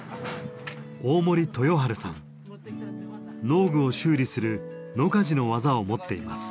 農具を修理する野鍛冶の技を持っています。